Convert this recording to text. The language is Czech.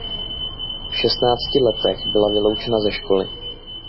V šestnácti letech byla vyloučena ze školy.